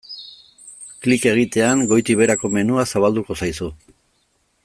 Klik egitean goitik-beherako menua zabalduko zaizu.